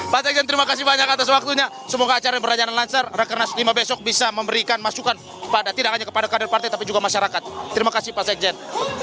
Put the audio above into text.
pak tejen terima kasih banyak atas waktunya semoga acara berjalan lancar rekenas lima besok bisa memberikan masukan tidak hanya kepada kader partai tapi juga masyarakat terima kasih pak sekjen